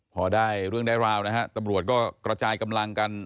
พอได้เรื่องได้ราวนะฮะตำรวจก็กระจายกำลังกัน